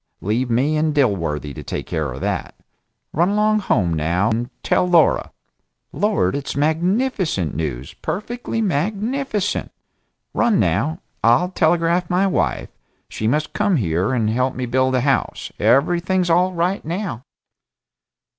Leave me and Dilworthy to take care of that. Run along home, now, and tell Laura. Lord, it's magnificent news perfectly magnificent! Run, now. I'll telegraph my wife. She must come here and help me build a house. Everything's all right now!"